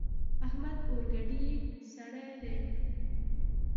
احمد اورګډی سړی دی.